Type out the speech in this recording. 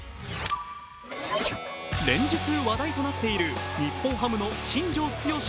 連日話題となっている日本ハムの新庄剛志